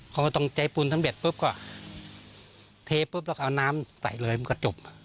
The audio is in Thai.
เขาก็ต้องใจปูนสำเร็จปุ๊บก็เทปุ๊บแล้วก็เอาน้ำใส่เลยมันก็จบ